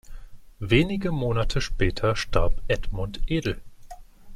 Wenige Monate später starb Edmund Edel.